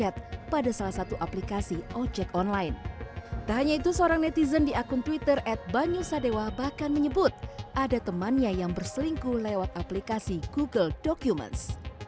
bapak bahkan menyebut ada temannya yang berselingkuh lewat aplikasi google documents